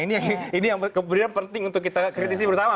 ini yang kemudian penting untuk kita kritisi bersama